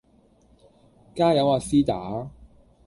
加油呀絲打